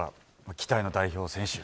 期待の代表選手。